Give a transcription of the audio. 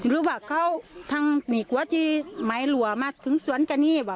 รู้ว่าก็นี่ก๊ว้าที่ไม้หลวงมาถึงสวรรค์กันเนี่ยว่า